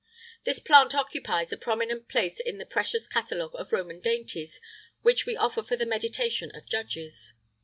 This plant occupies a prominent place in the precious catalogue of Roman dainties which we offer for the meditation of judges.